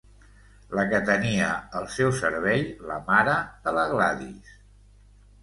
La que tenia al seu servei la mare de la Gladys!